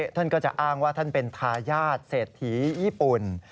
ท่านก็จะอ้างว่าท่านเป็นทายาทเศรษฐีญี่ปุ่น